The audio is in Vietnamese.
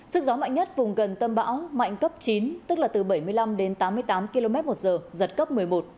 sức gió mạnh nhất vùng gần tâm bão mạnh cấp chín tức là từ bảy mươi năm đến tám mươi tám km một giờ giật cấp một mươi một